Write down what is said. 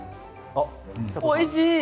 おいしい。